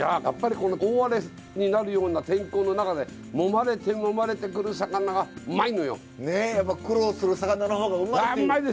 やっぱりこの大荒れになるような天候の中でもまれてもまれてくる魚がうまいのよ！ねやっぱ苦労する魚のほうがうまいって。